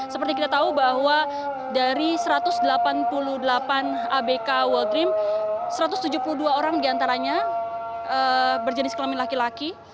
seperti kita tahu bahwa dari satu ratus delapan puluh delapan abk world dream satu ratus tujuh puluh dua orang diantaranya berjenis kelamin laki laki